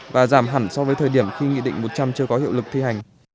và giảm hẳn so với thời điểm khi nghị định một trăm linh chưa có hiệu lực thi hành